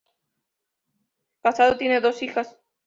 Casado, tiene dos hijas.